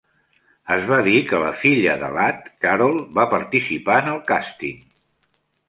Es va dir que la filla de Ladd, Carol, va participar en el càsting.